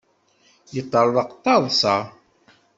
Yeṭṭerḍeq d taḍsa.